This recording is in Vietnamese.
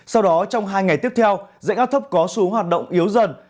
sau đó trong hai ngày tiếp theo dãy áp thấp có số hoạt động yếu dần